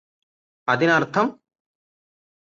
അതിനര്ത്ഥം